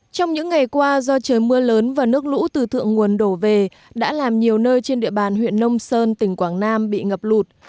trong những ngày qua do trời mưa lớn và nước lũ từ thượng nguồn đổ về đã làm nhiều nơi trên địa bàn huyện nông sơn tỉnh quảng nam bị ngập lụt